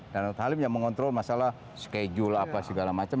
dan halim yang mengontrol masalah schedule apa segala macam